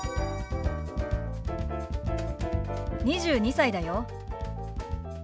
２２歳だよ。